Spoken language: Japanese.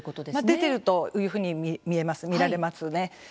出てるというふうに見られますね。